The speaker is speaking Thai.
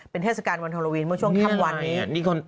เป็นเทศกาลวันฮาโลวีนเมื่อช่วงค่ำวันนี้